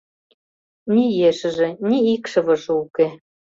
Ни ешыже, ни икшывыже уке.